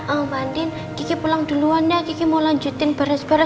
oh mbak andin kiki pulang duluan ya kiki mau lanjutin baris baris